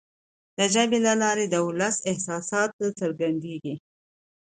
د ژبي له لارې د ولس احساسات څرګندیږي.